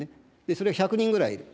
それが１００人ぐらいいる。